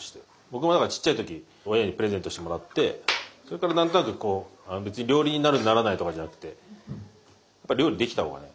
僕も何かちっちゃい時親にプレゼントしてもらってそれから何となくこう別に料理人になるならないとかじゃなくてやっぱ料理できた方がね